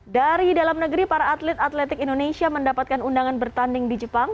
dari dalam negeri para atlet atletik indonesia mendapatkan undangan bertanding di jepang